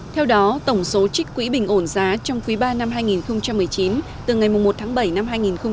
theo đó tổng số trích quỹ bình ổn giá trong quỹ ba năm hai nghìn một mươi chín từ ngày một tháng bảy năm hai nghìn một mươi chín